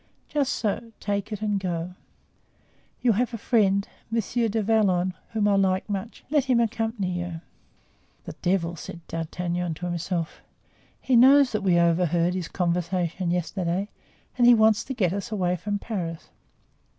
"Just so, take it and go. You have a friend, Monsieur du Vallon, whom I like much; let him accompany you." "The devil!" said D'Artagnan to himself. "He knows that we overheard his conversation yesterday and he wants to get us away from Paris."